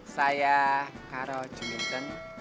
saya karo jumintem